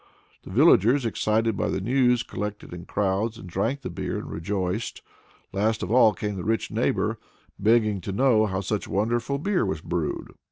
The villagers, excited by the news, collected in crowds, and drank the beer and rejoiced. Last of all came the rich neighbor, begging to know how such wonderful beer was brewed.